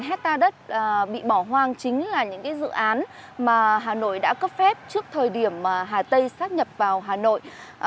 hai hectare đất bị bỏ hoang chính là những dự án mà hà nội đã cấp phép trước thời điểm hà tây xác nhập vào hà nội